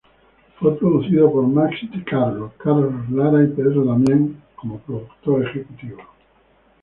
Fue producido por Max di Carlo, Carlos Lara y Pedro Damián como productor ejecutivo.